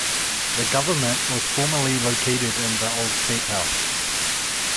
The government was formerly located in the Old State House.